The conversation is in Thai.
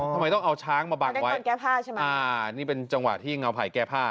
ทำไมต้องเอาช้างมาบังไว้อ๋อนี่เป็นจังหวะที่เกล้าไผ่แก้ผ้า